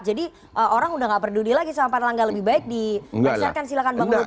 jadi orang sudah tidak peduli lagi sama pak nalangga lebih baik diakserkan silakan bang luhut